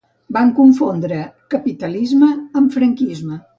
Vam confondre capitalisme amb franquisme